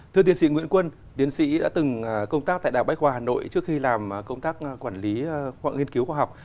thưa tiến sĩ nguyễn quân tiến sĩ đã từng công tác tại đảo bách khoa hà nội trước khi làm công tác quản lý hoặc nghiên cứu khoa học